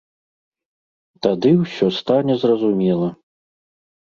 Тады ўсё стане зразумела.